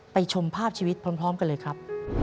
ชมภาพชีวิตพร้อมกันเลยครับ